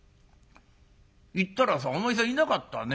行ったらさお前さんいなかったね。